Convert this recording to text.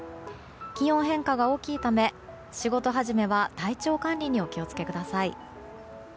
気温変化が大きいため仕事始めは体調管理にお気をつけください。